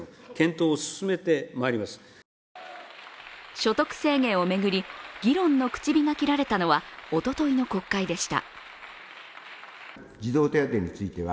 所得制限を巡り、議論の口火が切られたのはおとといの国会でした。